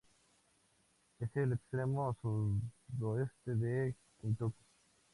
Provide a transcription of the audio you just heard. Es el extremo sudoeste de Kentucky.